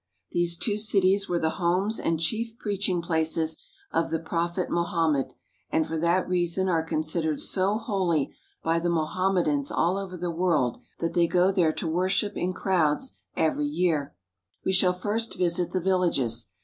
These two cities were the homes and chief preaching places of the prophet Mohammed, and for that reason are considered so holy by the Mohammedans all over the world that they go there to worship in crowds every year. A Home in the Desert. We shall first visit the villages.